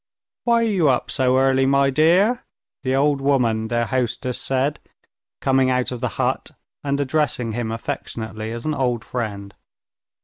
"Why are you up so early, my dear?" the old woman, their hostess, said, coming out of the hut and addressing him affectionately as an old friend.